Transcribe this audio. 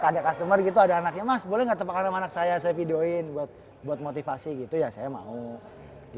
ada customer gitu ada anaknya mas boleh nggak tepakkan sama anak saya saya videoin buat motivasi gitu ya saya mau